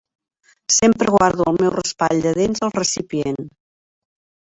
Sempre guardo el meu raspall de dents al recipient.